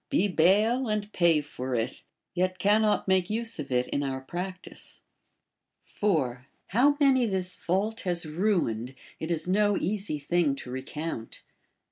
Be bail, and pay for it, yet cannot make use of it in our practice. 4. How many this fault has ruined, it is no easy thing to recount.